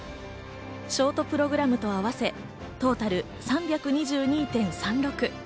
ショートプログラムと合わせトータル３２２．３６。